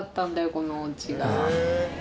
このお家が。